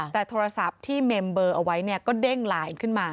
แต่โทรศัพท์ที่เมมเบอร์เอาไว้ก็เด้งไลน์ขึ้นมา